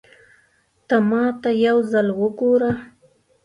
ته ماته يو ځل وګوره